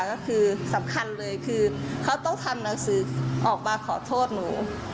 ก็คือสำคัญเลยคือเขาต้องทำหนังสือออกมาขอโทษหนู